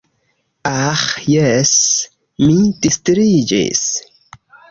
Aĥ jes, mi distriĝis.